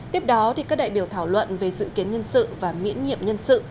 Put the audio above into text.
tiếp đó các đại biểu thảo luận về dự kiến nhân sự và miễn nhiệm nhân sự